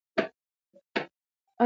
آیا خلک د لوبو لیدلو ته نه ځي؟